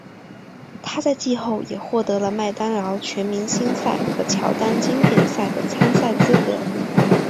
他在季后也获得了麦当劳全明星赛和乔丹经典赛的参赛资格。